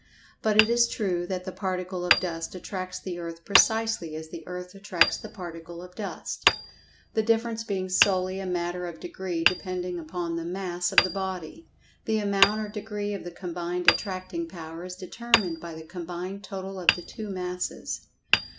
But it is true that the particle of dust attracts the earth precisely as the earth attracts the particle of dust—the difference being solely a matter of degree depending upon the "mass" of the body. The amount or degree of the combined attracting power is determined by the combined total of the two masses.